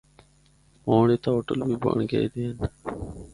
ہونڑ اِتھا ہوٹل بھی بنڑ گئے دے ہن۔